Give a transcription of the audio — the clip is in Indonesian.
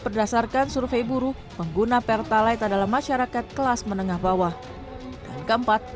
berdasarkan survei buruh pengguna pertalite adalah masyarakat kelas menengah bawah dan keempat